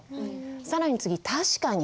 更に次「確かに」。